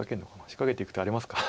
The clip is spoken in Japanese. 仕掛けていく手ありますか？